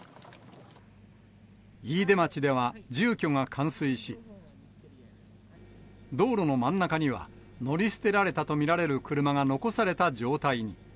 飯豊町では住居が冠水し、道路の真ん中には、乗り捨てられたとみられる車が残された状態に。